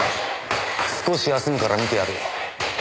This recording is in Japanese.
少し休むから見てやるよ。